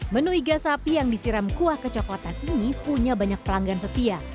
menu iga sapi yang disiram kuah kecoklatan ini punya banyak pelanggan setia